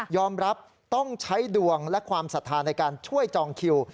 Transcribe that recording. รับต้องใช้ดวงและความศรัทธาในการช่วยจองคิว